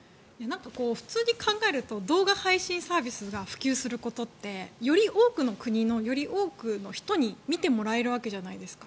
普通に考えると動画配信サービスが普及することってより多くの国のより多くの人に見てもらえるわけじゃないですか。